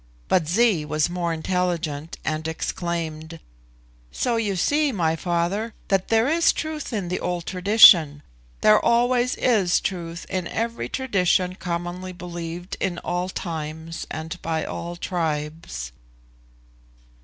But Zee was more intelligent, and exclaimed, "So you see, my father, that there is truth in the old tradition; there always is truth in every tradition commonly believed in all times and by all tribes."